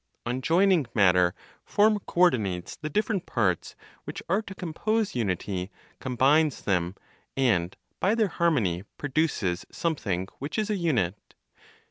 On joining matter, form co ordinates the different parts which are to compose unity, combines them, and by their harmony produces something which is a unit.